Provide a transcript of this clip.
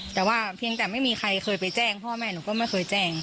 แต่ว่าเพียงแต่ไม่มีใครเคยไปแจ้งพ่อแม่หนูก็ไม่เคยแจ้ง